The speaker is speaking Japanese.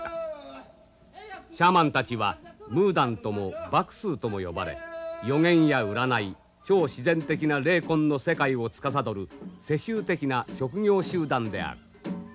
シャーマンたちはムーダンともバクスーとも呼ばれ予言や占い超自然的な霊魂の世界を司る世襲的な職業集団である。